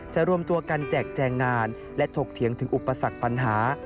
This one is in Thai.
รวมตัวกันแจกแจงงานและถกเถียงถึงอุปสรรคปัญหา